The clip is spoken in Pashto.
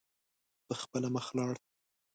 په خپله مخ لاړ.